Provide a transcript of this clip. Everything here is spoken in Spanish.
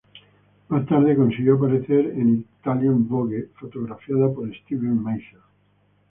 Más tarde consiguió aparecer en Italian Vogue, fotografiada por Steven Meisel.